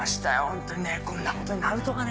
ホントにねこんなことになるとはね。